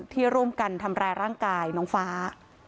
ร่วมกันทำร้ายร่างกายน้องฟ้า